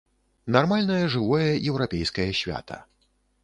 Нармальнае, жывое еўрапейскае свята.